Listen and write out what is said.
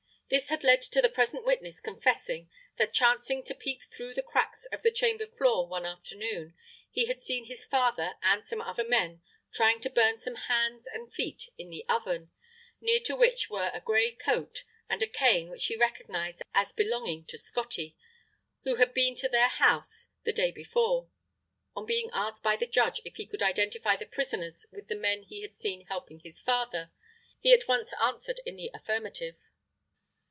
This had led to the present witness confessing, that chancing to peep through the cracks of the chamber floor one afternoon, he had seen his father and some other men trying to burn some hands and feet in an oven, near to which were a light grey coat and a cane which he recognised as belonging to "Scottie" who had been to their house the day before. On being asked by the Judge if he could identify the prisoners with the men he had seen helping his father, he at once answered in the affirmative.